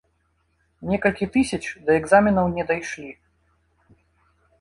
Некалькі тысяч да экзаменаў не дайшлі.